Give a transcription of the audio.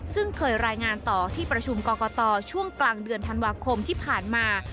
ซึ่งเคยรายงานต่อที่ประชุมกรกตช่วงกลางเดือนธันวาคมที่ผ่านมา